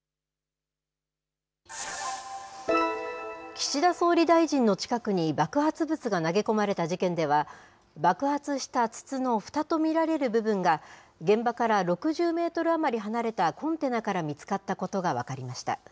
岸田総理大臣の近くに爆発物が投げ込まれた事件では、爆発した筒のふたと見られる部分が、現場から６０メートル余り離れたコンテナから見つかったことが分かりました。